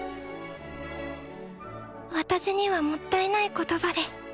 私にはもったいない言葉です。